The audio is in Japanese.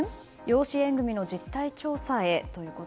養子縁組の実態調査へ。